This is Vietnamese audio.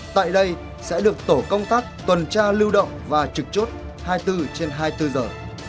tại đây sẽ được tổ công tác tuần tra lưu động và trực chốt hai mươi bốn trên hai mươi bốn giờ